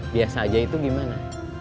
biasa aja itu gimana